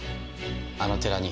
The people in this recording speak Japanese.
あの寺に。